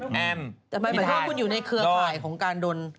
แล้วก็เคลือขายของการโดน